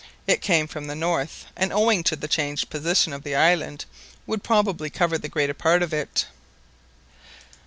It came from the north, and owing to the changed position of the island, would probably cover the greater part of it.